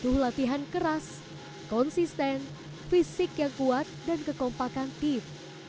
butuh latihan keras konsisten fisik yang kuat dan kekompakan tim